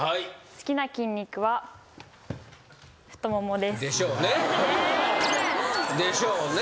好きな筋肉は太ももです。でしょうね。でしょうね。